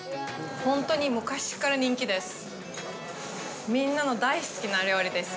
本当に昔から人気です。